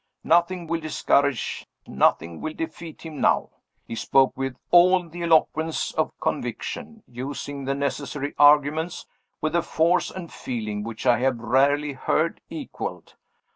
Nothing will discourage, nothing will defeat him now. He spoke with all the eloquence of conviction using the necessary arguments with a force and feeling which I have rarely heard equaled.